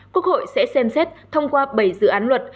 quốc hội sẽ xem xét thông qua bảy dự án luật